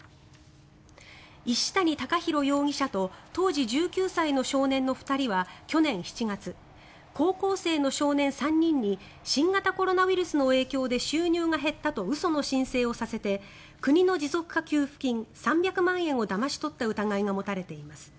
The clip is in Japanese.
石谷貴裕容疑者と当時１９歳の少年の２人は去年７月、高校生の少年３人に新型コロナウイルスの影響で収入が減ったと嘘の申請をさせて国の持続化給付金３００万円をだまし取った疑いが持たれています。